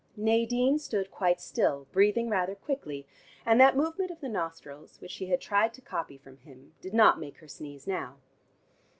Nadine stood quite still, breathing rather quickly, and that movement of the nostrils, which she had tried to copy from him, did not make her sneeze now.